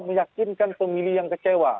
meyakinkan pemilih yang kecewa